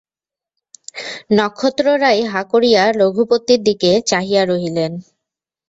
নক্ষত্ররায় হাঁ করিয়া রঘুপতির দিকে চাহিয়া রহিলেন।